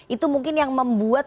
itu mungkin yang membuat